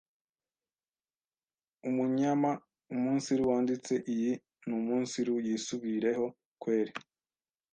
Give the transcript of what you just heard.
umunyamaumunsiru wanditse iyi numunsiru yisubireho kweli